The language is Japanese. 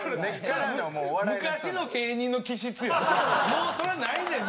もうそれないねん。